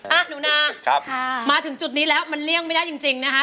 หนูนามาถึงจุดนี้แล้วมันเลี่ยงไม่ได้จริงนะคะ